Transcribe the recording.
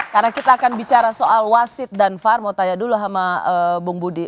karena kita akan bicara soal wasit dan farmotaya dulu sama bung budi